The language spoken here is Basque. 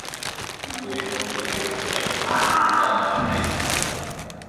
Turismogune bihurtu zen eta hazkuntza nabarmena izan zuen.